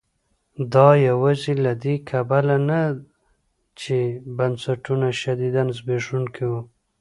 دا یوازې له دې کبله نه چې بنسټونه شدیداً زبېښونکي وو.